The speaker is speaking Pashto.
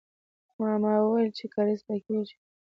ما، ما ويل چې کارېز پاکيږي.